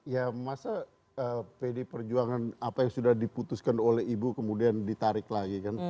ya masa pdi perjuangan apa yang sudah diputuskan oleh ibu kemudian ditarik lagi kan